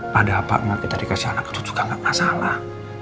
pada apa kita dikasih anak itu juga nggak masalah